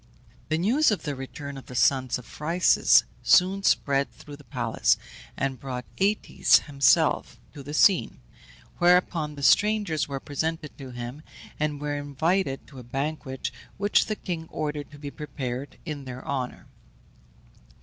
The news of the return of the sons of Phryxus soon spread through the palace, and brought Aëtes himself to the scene, whereupon the strangers were presented to him, and were invited to a banquet which the king ordered to be prepared in their honour.